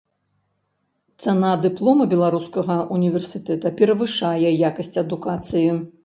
Цана дыплома беларускага ўніверсітэта перавышае якасць адукацыі.